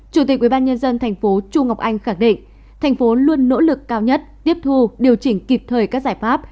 chủ tịch ubnd tp chu ngọc anh khẳng định thành phố luôn nỗ lực cao nhất tiếp thu điều chỉnh kịp thời các giải pháp